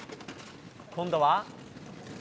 今度は。